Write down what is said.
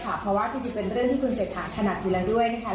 เพราะว่าจริงเป็นเรื่องที่คุณเศรษฐาถนัดอยู่แล้วด้วยนะคะ